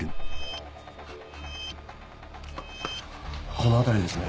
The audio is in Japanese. この辺りですね。